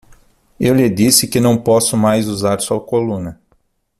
Eu lhe disse que não posso mais usar sua coluna.